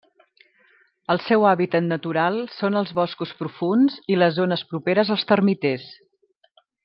El seu hàbitat natural són els boscos profunds i les zones properes als termiters.